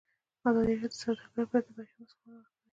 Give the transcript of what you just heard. ازادي راډیو د سوداګري په اړه د بریاوو مثالونه ورکړي.